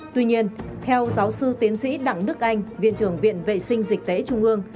tuy nhiên theo giáo sư tiến sĩ đặng đức anh viện trưởng viện vệ sinh dịch tễ trung ương